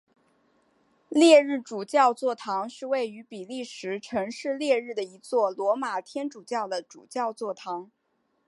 列日主教座堂是位于比利时城市列日的一座罗马天主教的主教座堂。